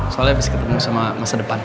soalnya bisa ketemu sama masa depan